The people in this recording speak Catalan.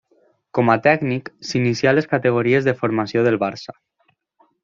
Com a tècnic s'inicià a les categories de formació del Barça.